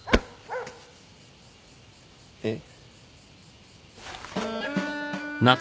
えっ。